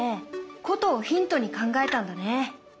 ことをヒントに考えたんだね。